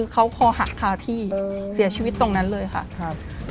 เค้าพอหาคาที่เสียชีวิตตรงนั้นเลยค่ะ